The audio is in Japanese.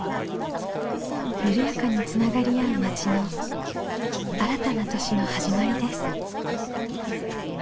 緩やかにつながり合う町の新たな年の始まりです。